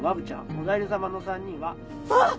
おだいり様の３人は」あっ！